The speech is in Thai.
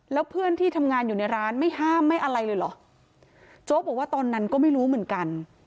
แล้วเพื่อนที่ทำงานอยู่ในร้านไม่ห้ามไม่อะไรเลยเหรอโจ๊กบอกว่าตอนนั้นก็ไม่รู้เหมือนกัน